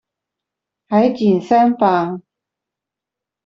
海景三房